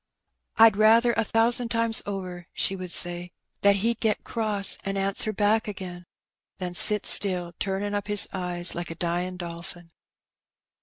"I'd rather a thousan' times over," she would say, "that he*d get cross, an' answer back again, than sit still, turnin' up his eyes like a dyin' dolphin."